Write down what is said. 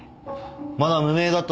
まだ無名だった